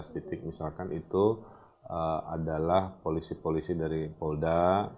sebelas titik misalkan itu adalah polisi polisi dari polda